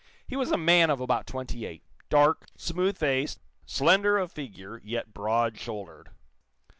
He was a man of about twenty eight, dark, smooth faced, slender of figure, yet broad shouldered.